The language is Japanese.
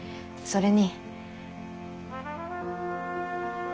それに？